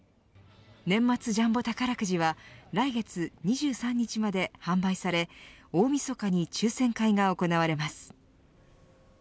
年末ジャンボ宝くじは来月２３日まで販売され大みそかに抽選会が行われます。